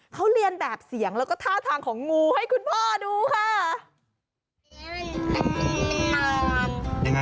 เขาเรียนแบบเสียงแล้วก็ท่าทางของงูให้คุณพ่อดูค่ะ